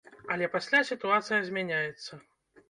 Але пасля сітуацыя змяняецца.